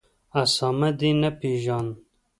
اسامه دي نه پېژاند